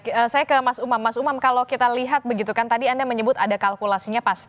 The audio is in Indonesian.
oke saya ke mas umam mas umam kalau kita lihat begitu kan tadi anda menyebut ada kalkulasinya pasti